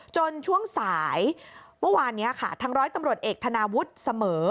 ช่วงสายเมื่อวานนี้ค่ะทางร้อยตำรวจเอกธนาวุฒิเสมอ